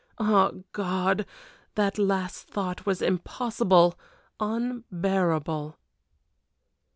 Ah, God! that last thought was impossible unbearable.